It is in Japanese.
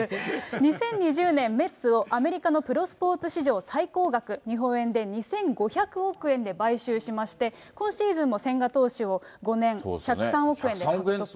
２０２０年、メッツをアメリカのプロスポーツ史上最高額、日本円で２５００億円で買収しまして、今シーズンも千賀投手を５年１０３億円で獲得。